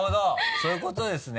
そういうことですね。